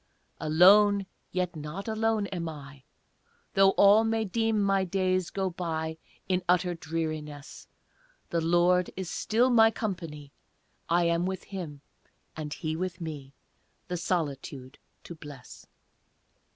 Alone, yet not alone am I, Though all may deem my days go by In utter dreariness; The Lord is still my company, I am with Him, and He with me, The solitude to bless.